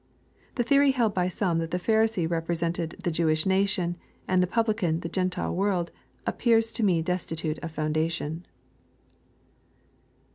The theory held by some, that the Pharisee represents the Jew ish nation, and the publican the Q entile world, appears to me des titute of foundation.